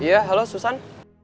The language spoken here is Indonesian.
ya haloh susan